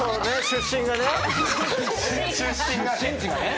出身地がね。